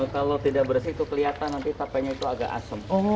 kalau tidak bersih itu kelihatan nanti tapenya itu agak asem